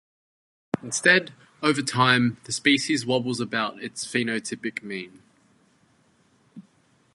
Instead, over time, the species wobbles about its phenotypic mean.